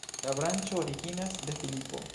La branĉo originas de Filipo.